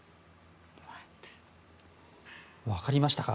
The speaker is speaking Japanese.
分かりましたか？